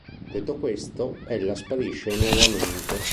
Detto questo, ella sparisce nuovamente.